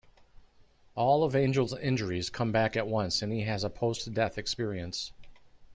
All of Angel's injuries come back at once and he has a post-death experience.